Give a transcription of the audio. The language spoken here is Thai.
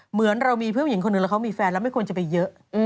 เหมือนเรามีเพื่อนผู้หญิงคนหนึ่งแล้วเขามีแฟนแล้วไม่ควรจะไปเยอะ